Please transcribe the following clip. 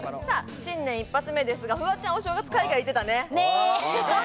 新年一発目ですが、フワちゃん、お正月、海外行ってたね。